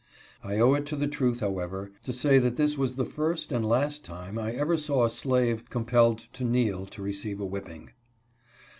I owe it to the truth, however, to say that this was the first and last time I ever saw a slave compelled to kneel to receive a whipping.